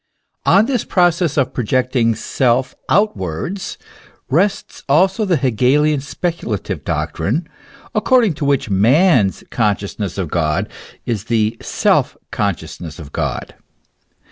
On this process of projecting self outwards rests also the Hegelian speculative doctrine, according to which man's con sciousness of God is the seZ/ consciousness of God.